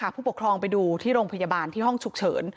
ผู้ปกครองไปดูที่โรงพยาบาลที่ห้องฉุกเฉิน